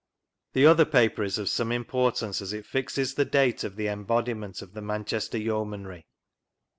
The other paper is of some importance as it fixes the date of the embodiment of the Manchester Yeo manry.